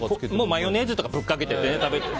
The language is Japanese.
マヨネーズとかぶっかけて全然食べれる。